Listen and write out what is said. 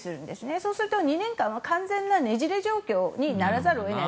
そうすると２年間は完全なねじれ状況にならざるを得ない。